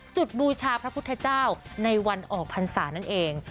บูชาพระพุทธเจ้าในวันออกพรรษานั่นเอง